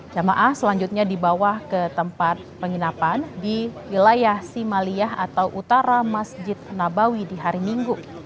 jamaah selanjutnya dibawa ke tempat penginapan di wilayah simaliyah atau utara masjid nabawi di hari minggu